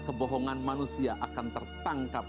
kebohongan manusia akan tertangkap